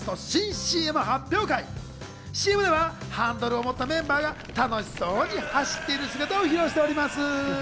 ＣＭではハンドルを持ったメンバーが、楽しそうに走っている姿を披露しております。